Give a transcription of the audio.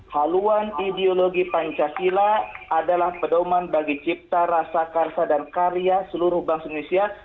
haluan ideologi pancasila adalah pedoman bagi cipta rasa karsa dan karya seluruh bangsa indonesia